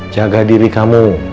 jaga diri kamu